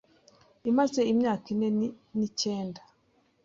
imaze imyaka ine n’icyenda